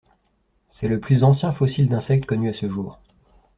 C'est le plus ancien fossile d'insecte connu à ce jour.